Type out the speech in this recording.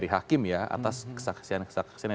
hakim ya atas kesaksian kesaksian